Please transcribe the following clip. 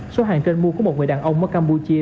số hàng trên mua của một người đàn ông ở campuchia